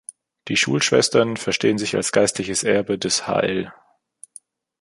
Die Schulschwestern verstehen sich als geistliches Erbe des hl.